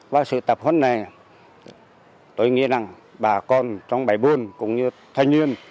vào sự tập huấn này tôi nghĩ rằng bà con trong bảy buôn cũng như thanh niên